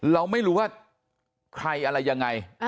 เราไม่รู้ว่าใครอะไรยังไง